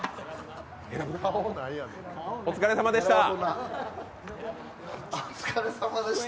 お疲れさまでした。